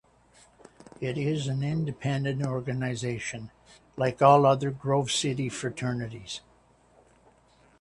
It is an independent organization, like all other Grove City fraternities.